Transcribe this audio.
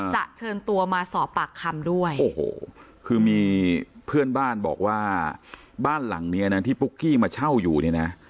เชิญตัวมาสอบปากคำด้วยโอ้โหคือมีเพื่อนบ้านบอกว่าบ้านหลังเนี้ยนะที่ปุ๊กกี้มาเช่าอยู่เนี่ยนะ